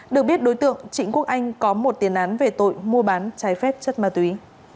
được biết đối tượng trịnh quốc anh có một tiền án về tội mua bán trái phép chất ma túy